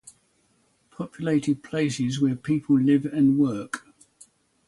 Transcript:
Populated place where people live and work.